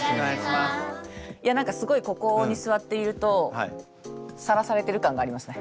いや何かすごいここに座っているとさらされてる感がありますね。